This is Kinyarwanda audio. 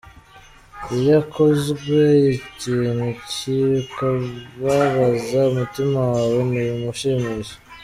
Iyo akoze ikintu cyikababaza umutima wawe ntibimushimisha.